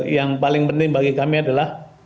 yang paling penting bagi kami adalah